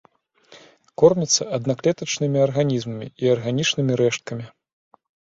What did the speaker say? Кормяцца аднаклетачнымі арганізмамі і арганічнымі рэшткамі.